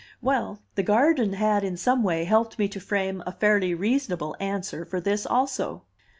Well, the garden had in some way helped me to frame a fairly reasonable answer for this also.